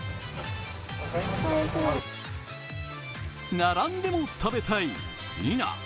並んでも食べたい、否！